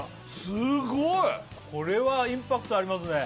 すごいこれはインパクトありますね